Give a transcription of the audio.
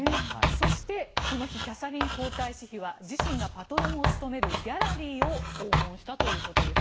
そして、この日キャサリン皇太子妃は自身がパトロンを務めるギャラリーを訪問したということです。